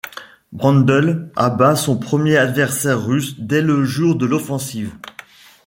Brändle abat son premier adversaire russe dès le jour de l'offensive.